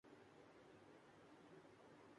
میرا جسم ٹوٹ چکا تھا